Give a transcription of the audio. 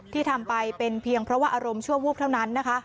ที่ทำไปเป็นเพียงเพราะว่าอารมณ์ชั่ววูบเท่านั้นนะคะ